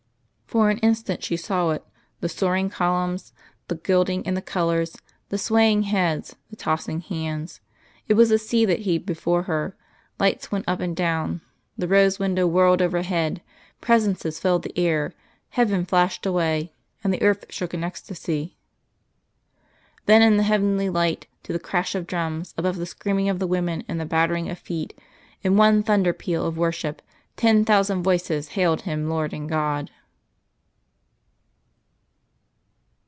For an instant she saw it, the soaring columns, the gilding and the colours, the swaying heads, the tossing hands. It was a sea that heaved before her, lights went up and down, the rose window whirled overhead, presences filled the air, heaven flashed away, and the earth shook it ecstasy. Then in the heavenly light, to the crash of drums, above the screaming of the women and the battering of feet, in one thunder peal of worship ten thousand voices hailed Him Lord and God.